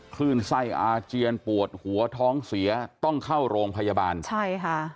คลื่นไส้อาเจียนปวดหัวท้องเสียต้องเข้าโรงพยาบาลใช่ค่ะ